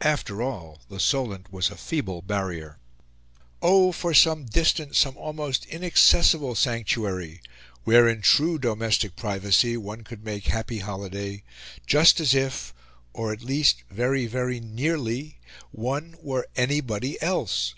After all, the Solent was a feeble barrier. Oh, for some distant, some almost inaccessible sanctuary, where, in true domestic privacy, one could make happy holiday, just as if or at least very, very, nearly one were anybody else!